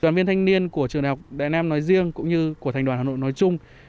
đoàn viên thanh niên của trường đại học đại nam nói riêng cũng như của thành đoàn hà nội nói chung